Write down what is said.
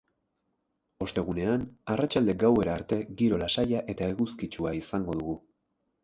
Ostegunean arratsalde-gauera arte giro lasaia eta eguzkitsua izango dugu.